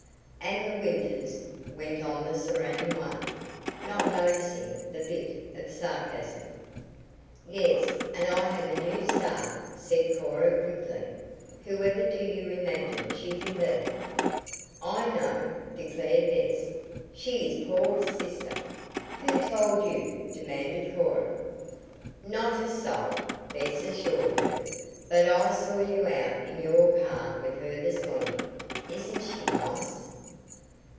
"And the Winters," went on the serene one, not noticing the bit of sarcasm. "Yes; and I have a new star," said Cora quickly. "Who ever do you imagine she can be?" "I know," declared Bess. "She is Paul's sister." "Who told you?" demanded Cora. "Not a soul," Bess assured her; "but I saw you out in your car with her this morning. Isn't she nice."